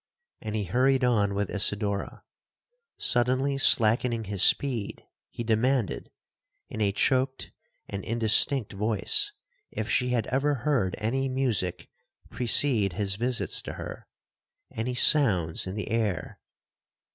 And he hurried on with Isidora. Suddenly slackening his speed, he demanded, in a choaked and indistinct voice, if she had ever heard any music precede his visits to her,—any sounds in the air.